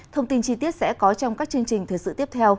thông tin chi tiết sẽ có trong các chương trình thời sự tiếp theo